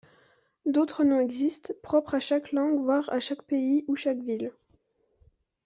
D'autres noms existent, propres à chaque langue, voire à chaque pays ou chaque ville.